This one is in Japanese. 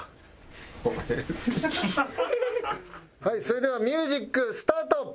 はいそれではミュージックスタート！